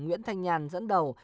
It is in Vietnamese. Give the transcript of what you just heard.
nguyễn thanh nhàn dẫn đầu